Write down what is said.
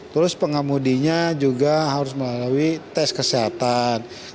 terus pengemudinya juga harus melalui tes kesehatan